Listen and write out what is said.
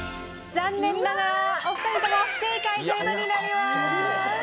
残念ながらお二人とも不正解という事になります。